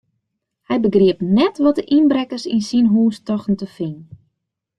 Hy begriep net wat de ynbrekkers yn syn hús tochten te finen.